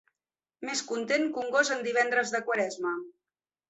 Més content que un gos en divendres de Quaresma.